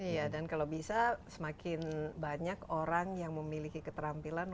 iya dan kalau bisa semakin banyak orang yang memiliki keterampilan